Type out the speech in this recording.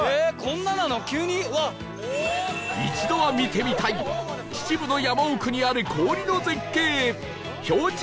一度は見てみたい秩父の山奥にある氷の絶景氷柱